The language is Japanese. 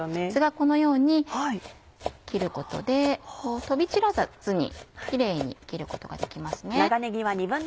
このように切ることで飛び散らずにキレイに切ることができますね。